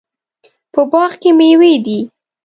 په باغ کې میوې دي